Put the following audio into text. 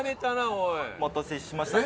お待たせしました。